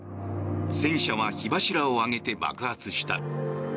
戦車は火柱を上げて爆発した。